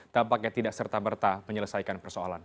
tampaknya tidak serta merta menyelesaikan persoalan